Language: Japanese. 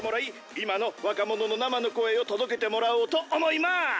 「今の若者の生の声を届けてもらおうと思います！」